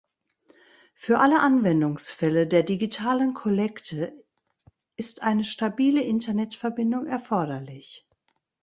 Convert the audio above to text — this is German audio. Für alle Anwendungsfälle der Digitalen Kollekte ist eine stabile Internetverbindung erforderlich.